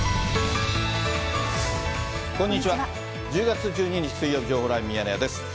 １０月１２日水曜日、情報ライブミヤネ屋です。